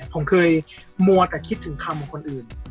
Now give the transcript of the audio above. ผมเคยมัวแต่คิดถึงคำของคนอื่น